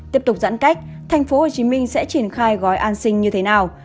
tiếp tục giãn cách tp hcm sẽ triển khai gói an sinh như thế nào